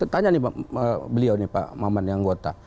tanya nih pak maman yang anggota